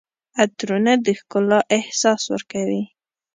عطرونه د ښکلا احساس ورکوي.